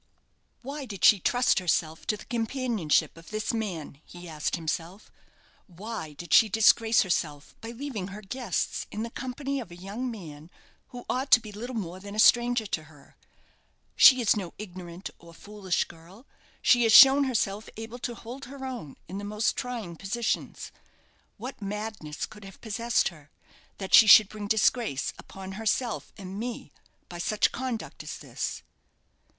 "Why did she trust herself to the companionship of this man?" he asked himself. "Why did she disgrace herself by leaving her guests in the company of a young man who ought to be little more than a stranger to her? She is no ignorant or foolish girl; she has shown herself able to hold her own in the most trying positions. What madness could have possessed her, that she should bring disgrace upon herself and me by such conduct as this?"